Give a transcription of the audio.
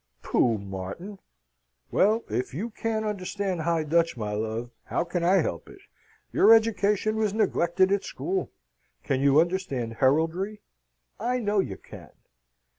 "Pooh, Martin." "Well, if you can't understand High Dutch, my love, how can I help it? Your education was neglected at school. Can you understand heraldry? I know you can."